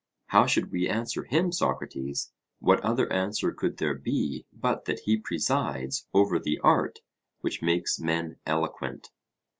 How should we answer him, Socrates? What other answer could there be but that he presides over the art which makes men eloquent?